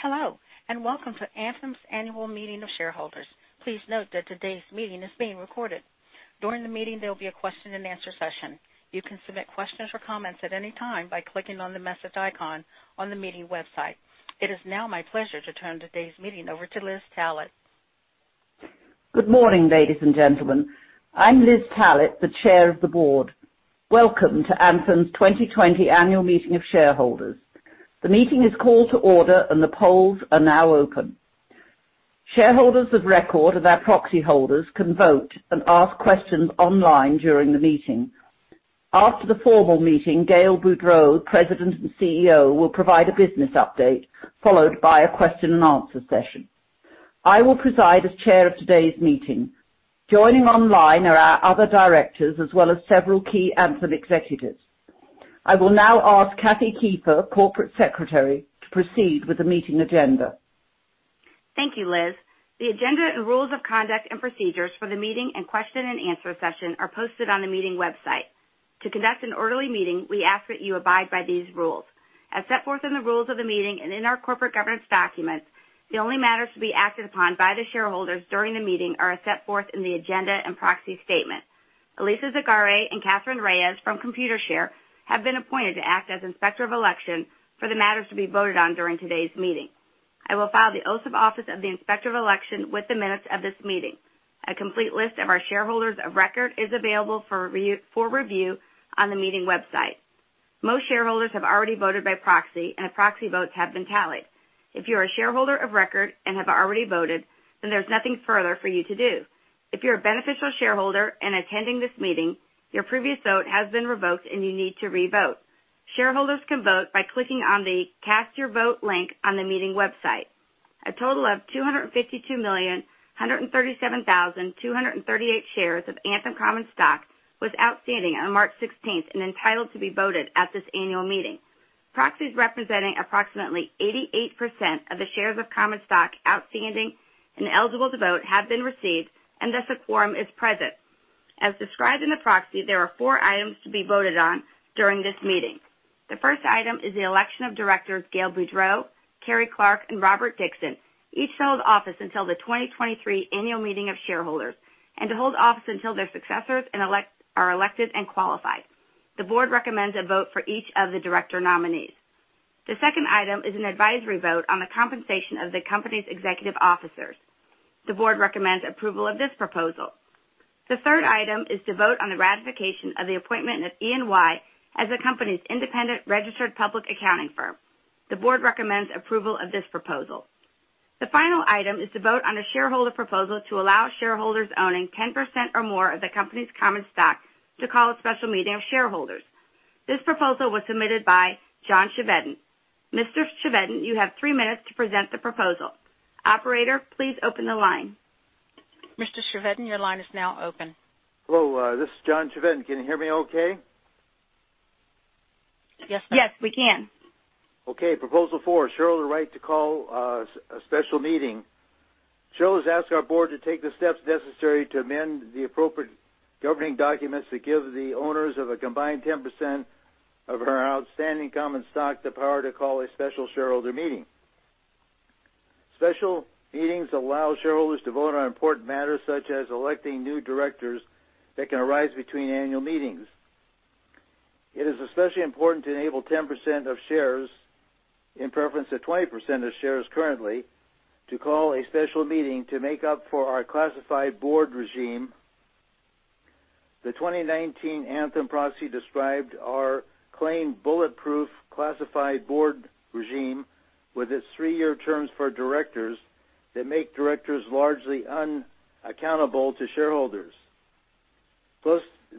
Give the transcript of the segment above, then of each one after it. Hello, and welcome to Anthem's Annual Meeting of Shareholders. Please note that today's meeting is being recorded. During the meeting, there'll be a question and answer session. You can submit questions or comments at any time by clicking on the message icon on the meeting website. It is now my pleasure to turn today's meeting over to Liz Tallett. Good morning, ladies and gentlemen. I'm Liz Tallett, the chair of the board. Welcome to Anthem's 2020 Annual Meeting of Shareholders. The meeting is called to order and the polls are now open. Shareholders of record and their proxy holders can vote and ask questions online during the meeting. After the formal meeting, Gail Boudreaux, President and CEO, will provide a business update, followed by a question and answer session. I will preside as chair of today's meeting. Joining online are our other directors, as well as several key Anthem executives. I will now ask Kathy Kiefer, corporate secretary, to proceed with the meeting agenda. Thank you, Liz. The agenda and rules of conduct and procedures for the meeting and question and answer session are posted on the meeting website. To conduct an orderly meeting, we ask that you abide by these rules. As set forth in the rules of the meeting and in our corporate governance documents, the only matters to be acted upon by the shareholders during the meeting are as set forth in the agenda and proxy statement. Alyssa Zagare and Catherine Reyes from Computershare have been appointed to act as Inspector of Election for the matters to be voted on during today's meeting. I will file the oath of office of the Inspector of Election with the minutes of this meeting. A complete list of our shareholders of record is available for review on the meeting website. Most shareholders have already voted by proxy, and proxy votes have been tallied. If you're a shareholder of record and have already voted, there's nothing further for you to do. If you're a beneficial shareholder and attending this meeting, your previous vote has been revoked and you need to re-vote. Shareholders can vote by clicking on the Cast Your Vote link on the meeting website. A total of 252,137,238 shares of Anthem common stock was outstanding on March 16th, and entitled to be voted at this annual meeting. Proxies representing approximately 88% of the shares of common stock outstanding and eligible to vote have been received, thus a quorum is present. As described in the proxy, there are four items to be voted on during this meeting. The first item is the election of directors Gail Boudreaux, Kerry Clark, and Robert Dixon, each to hold office until the 2023 annual meeting of shareholders, and to hold office until their successors are elected and qualified. The board recommends a vote for each of the director nominees. The second item is an advisory vote on the compensation of the company's executive officers. The board recommends approval of this proposal. The third item is to vote on the ratification of the appointment of EY as the company's independent registered public accounting firm. The board recommends approval of this proposal. The final item is to vote on a shareholder proposal to allow shareholders owning 10% or more of the company's common stock to call a special meeting of shareholders. This proposal was submitted by John Chevedden. Mr. Chevedden, you have three minutes to present the proposal. Operator, please open the line. Mr. Chevedden, your line is now open. Hello, this is John Chevedden. Can you hear me okay? Yes. Yes, we can. Okay, proposal four, shareholder right to call a special meeting. Shareholders ask our board to take the steps necessary to amend the appropriate governing documents to give the owners of a combined 10% of our outstanding common stock the power to call a special shareholder meeting. Special meetings allow shareholders to vote on important matters such as electing new directors that can arise between annual meetings. It is especially important to enable 10% of shares, in preference to 20% of shares currently, to call a special meeting to make up for our classified board regime. The 2019 Anthem proxy described our claimed bulletproof classified board regime with its three-year terms for directors that make directors largely unaccountable to shareholders.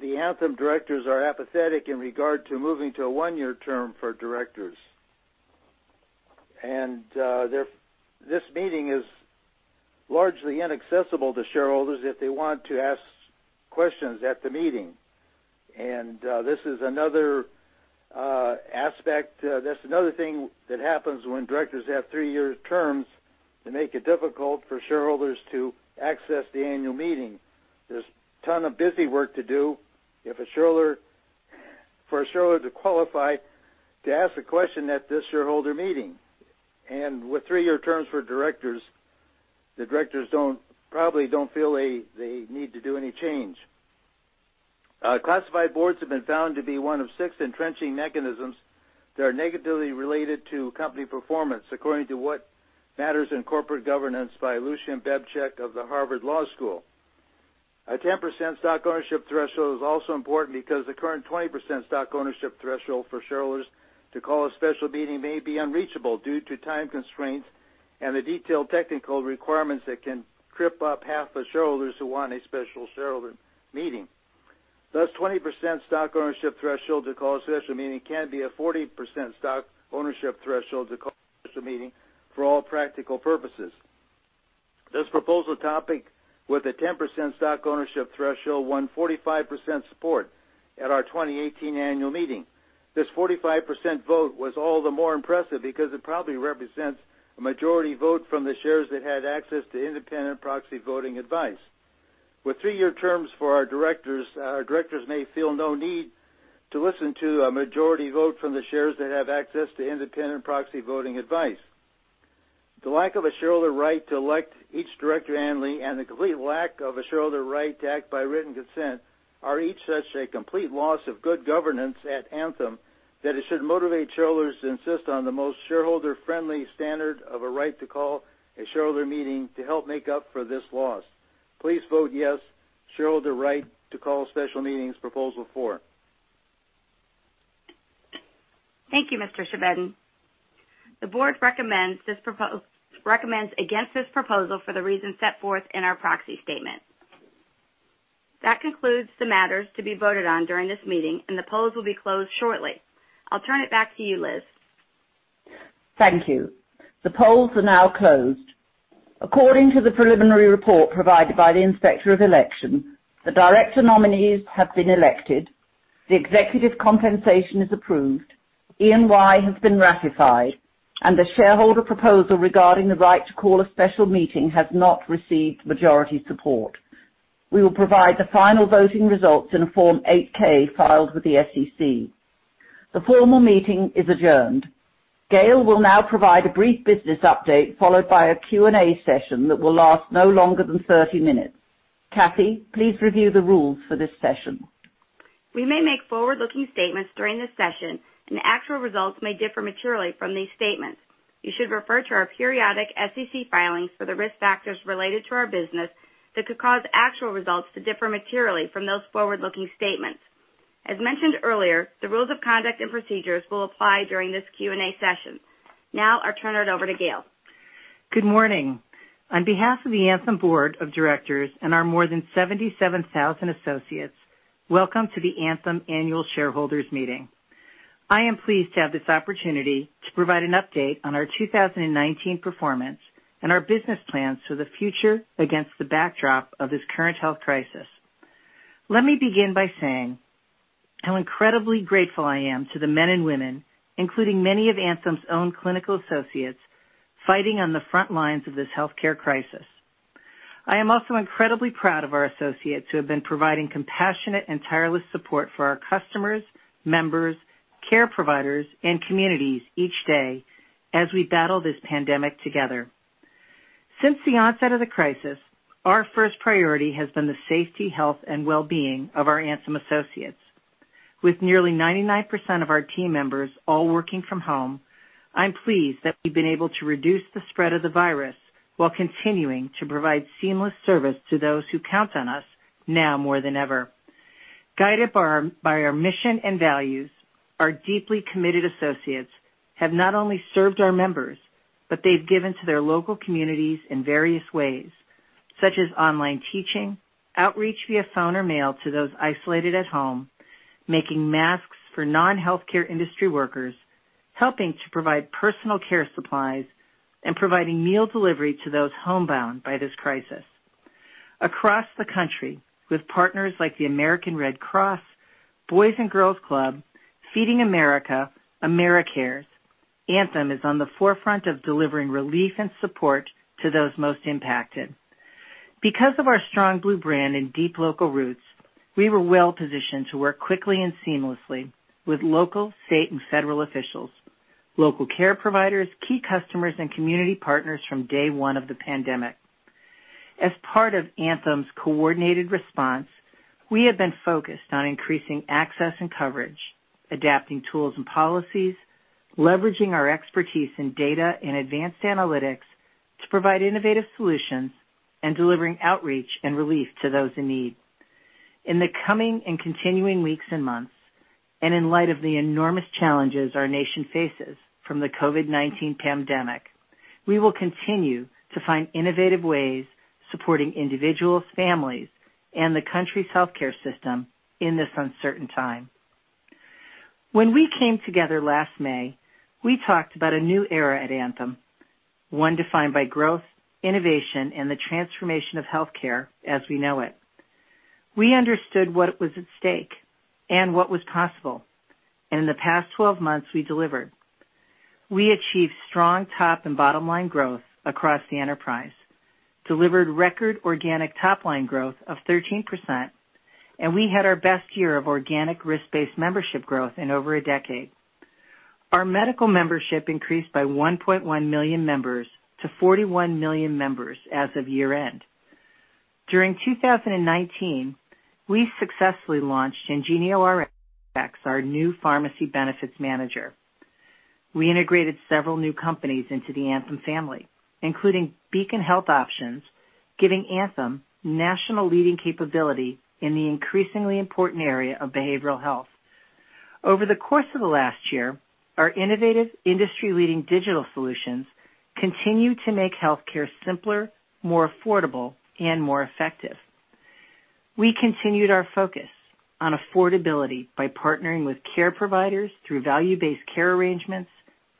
The Anthem directors are apathetic in regard to moving to a one-year term for directors. This meeting is largely inaccessible to shareholders if they want to ask questions at the meeting. That's another thing that happens when directors have three-year terms to make it difficult for shareholders to access the annual meeting. There's a ton of busy work to do for a shareholder to qualify to ask a question at this shareholder meeting. With three-year terms for directors, the directors probably don't feel they need to do any change. Classified boards have been found to be one of six entrenching mechanisms that are negatively related to company performance, according to What Matters in Corporate Governance by Lucian Bebchuk of the Harvard Law School. A 10% stock ownership threshold is also important because the current 20% stock ownership threshold for shareholders to call a special meeting may be unreachable due to time constraints and the detailed technical requirements that can trip up half the shareholders who want a special shareholder meeting. Thus, 20% stock ownership threshold to call a special meeting can be a 40% stock ownership threshold to call a special meeting for all practical purposes. This proposal topic with a 10% stock ownership threshold won 45% support at our 2018 annual meeting. This 45% vote was all the more impressive because it probably represents a majority vote from the shares that had access to independent proxy voting advice. With three-year terms for our directors, our directors may feel no need to listen to a majority vote from the shares that have access to independent proxy voting advice. The lack of a shareholder right to elect each director annually and the complete lack of a shareholder right to act by written consent are each such a complete loss of good governance at Anthem that it should motivate shareholders to insist on the most shareholder-friendly standard of a right to call a shareholder meeting to help make up for this loss. Please vote yes, shareholder right to call special meetings Proposal 4. Thank you, Mr. Chevedden. The board recommends against this proposal for the reasons set forth in our proxy statement. That concludes the matters to be voted on during this meeting. The polls will be closed shortly. I'll turn it back to you, Liz. Thank you. The polls are now closed. According to the preliminary report provided by the Inspector of Election, the director nominees have been elected, the executive compensation is approved, EY has been ratified, and the shareholder proposal regarding the right to call a special meeting has not received majority support. We will provide the final voting results in a Form 8-K filed with the SEC. The formal meeting is adjourned. Gail will now provide a brief business update followed by a Q&A session that will last no longer than 30 minutes. Kathy, please review the rules for this session. We may make forward-looking statements during this session, and actual results may differ materially from these statements. You should refer to our periodic SEC filings for the risk factors related to our business that could cause actual results to differ materially from those forward-looking statements. As mentioned earlier, the rules of conduct and procedures will apply during this Q&A session. Now, I'll turn it over to Gail. Good morning. On behalf of the Anthem Board of Directors and our more than 77,000 associates, welcome to the Anthem Annual Shareholders Meeting. I am pleased to have this opportunity to provide an update on our 2019 performance and our business plans for the future against the backdrop of this current health crisis. Let me begin by saying how incredibly grateful I am to the men and women, including many of Anthem's own clinical associates, fighting on the front lines of this healthcare crisis. I am also incredibly proud of our associates who have been providing compassionate and tireless support for our customers, members, care providers, and communities each day as we battle this pandemic together. Since the onset of the crisis, our first priority has been the safety, health, and wellbeing of our Anthem associates. With nearly 99% of our team members all working from home, I'm pleased that we've been able to reduce the spread of the virus while continuing to provide seamless service to those who count on us now more than ever. Guided by our mission and values, our deeply committed associates have not only served our members, but they've given to their local communities in various ways, such as online teaching, outreach via phone or mail to those isolated at home, making masks for non-healthcare industry workers, helping to provide personal care supplies, and providing meal delivery to those homebound by this crisis. Across the country with partners like the American Red Cross, Boys & Girls Club, Feeding America, Americares, Anthem is on the forefront of delivering relief and support to those most impacted. Because of our strong blue brand and deep local roots, we were well-positioned to work quickly and seamlessly with local, state, and federal officials, local care providers, key customers, and community partners from day one of the pandemic. As part of Anthem's coordinated response, we have been focused on increasing access and coverage, adapting tools and policies, leveraging our expertise in data and advanced analytics to provide innovative solutions, and delivering outreach and relief to those in need. In the coming and continuing weeks and months, in light of the enormous challenges our nation faces from the COVID-19 pandemic, we will continue to find innovative ways supporting individuals, families, and the country's healthcare system in this uncertain time. When we came together last May, we talked about a new era at Anthem, one defined by growth, innovation, and the transformation of healthcare as we know it. We understood what was at stake and what was possible, and in the past 12 months, we delivered. We achieved strong top and bottom-line growth across the enterprise, delivered record organic top-line growth of 13%, and we had our best year of organic risk-based membership growth in over one decade. Our medical membership increased by 1.1 million members to 41 million members as of year-end. During 2019, we successfully launched IngenioRx, our new pharmacy benefits manager. We integrated several new companies into the Anthem family, including Beacon Health Options, giving Anthem national leading capability in the increasingly important area of behavioral health. Over the course of the last year, our innovative industry-leading digital solutions continue to make healthcare simpler, more affordable, and more effective. We continued our focus on affordability by partnering with care providers through value-based care arrangements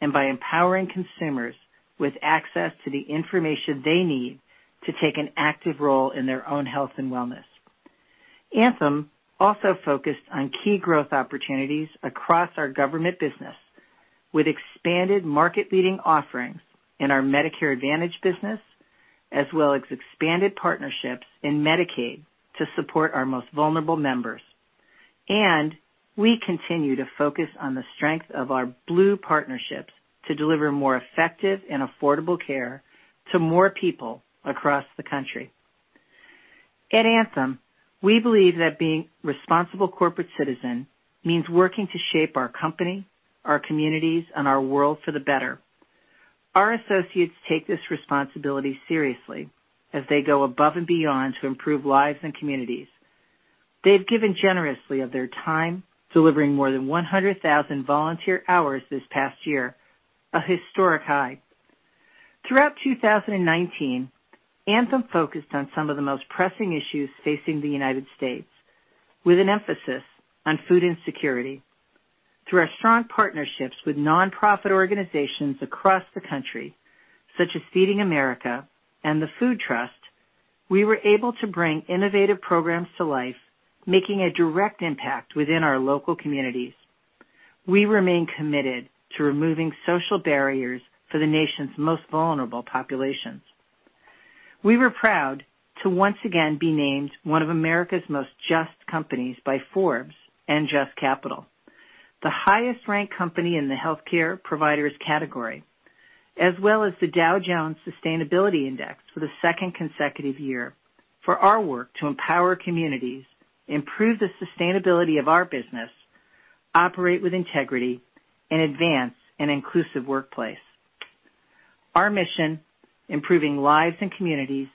and by empowering consumers with access to the information they need to take an active role in their own health and wellness. Anthem also focused on key growth opportunities across our government business with expanded market-leading offerings in our Medicare Advantage business, as well as expanded partnerships in Medicaid to support our most vulnerable members. We continue to focus on the strength of our Blue Partnerships to deliver more effective and affordable care to more people across the country. At Anthem, we believe that being responsible corporate citizen means working to shape our company, our communities, and our world for the better. Our associates take this responsibility seriously as they go above and beyond to improve lives and communities. They've given generously of their time, delivering more than 100,000 volunteer hours this past year, a historic high. Throughout 2019, Anthem focused on some of the most pressing issues facing the U.S., with an emphasis on food insecurity. Through our strong partnerships with nonprofit organizations across the country, such as Feeding America and The Food Trust, we were able to bring innovative programs to life, making a direct impact within our local communities. We remain committed to removing social barriers for the nation's most vulnerable populations. We were proud to once again be named one of America's most just companies by Forbes and JUST Capital, the highest ranked company in the healthcare providers category, as well as the Dow Jones Sustainability Index for the second consecutive year for our work to empower communities, improve the sustainability of our business, operate with integrity, and advance an inclusive workplace. Our mission, improving lives and communities,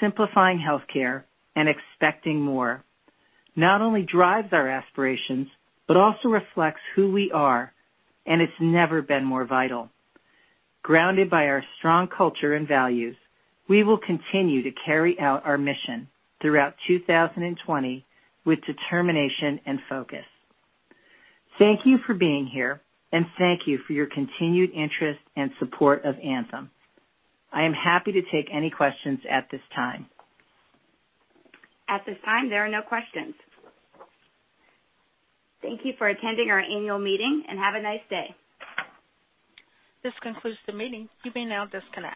simplifying healthcare, and expecting more not only drives our aspirations but also reflects who we are, and it's never been more vital. Grounded by our strong culture and values, we will continue to carry out our mission throughout 2020 with determination and focus. Thank you for being here, and thank you for your continued interest and support of Anthem. I am happy to take any questions at this time. At this time, there are no questions. Thank you for attending our annual meeting, and have a nice day. This concludes the meeting. You may now disconnect.